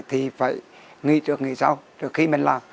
thì phải nghĩ trước nghĩ sau trước khi mình làm